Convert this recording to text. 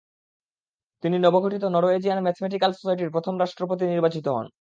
তিনি নবগঠিত Norwegian mathematical সোসাইটির প্রথম রাষ্ট্রপতি নির্বাচিত হন।